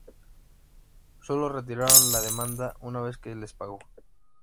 solo retiraron la demanda una vez que les pagó